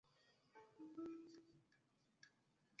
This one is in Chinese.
广西柳州因为是主要木材集散地之称。